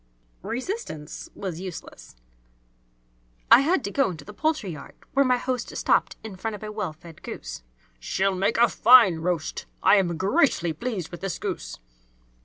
Resistance was useless. I had to go into the poultry yard, where my host stopped in front of a well fed goose. "She'll make a fine roast! I am greatly pleased with this goose."